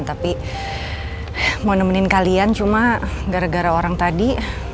tapi mau nemenin kalian cuma gara gara orang tadi